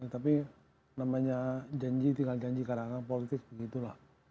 tapi namanya janji tinggal janji karena politik begitulah